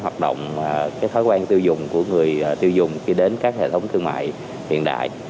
trong cái thói quen tiêu dùng của người tiêu dùng khi đến các hệ thống thương mại hiện đại